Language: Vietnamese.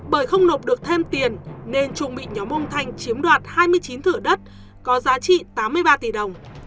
bởi không nộp được thêm tiền nên trung bị nhóm ông thanh chiếm đoạt hai mươi chín thửa đất có giá trị tám mươi ba tỷ đồng